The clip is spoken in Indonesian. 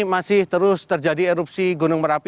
masih terus terjadi erupsi gunung merapi